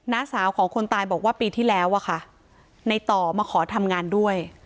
้าสาวของคนตายบอกว่าปีที่แล้วอะค่ะในต่อมาขอทำงานด้วย